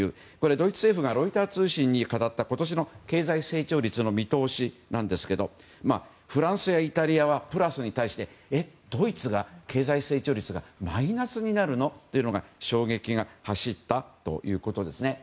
ドイツ政府がロイター通信に語った今年の経済成長率の見通しなんですがフランスやイタリアはプラスに対してドイツが経済成長率がマイナスになるの？というのが衝撃が走ったということです。